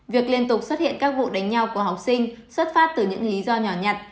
việc liên tục xuất hiện các vụ đánh nhau của học sinh xuất phát từ những lý do nhỏ nhặt